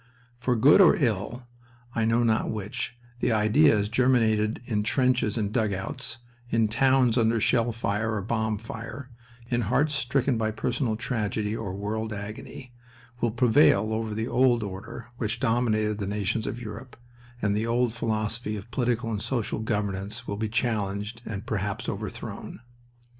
For good or ill, I know not which, the ideas germinated in trenches and dugouts, in towns under shell fire or bomb fire, in hearts stricken by personal tragedy or world agony, will prevail over the old order which dominated the nations of Europe, and the old philosophy of political and social governance will be challenged and perhaps overthrown.